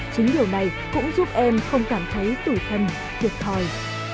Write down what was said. chính điều này cũng giúp em không cảm thấy tủi thần thiệt thòi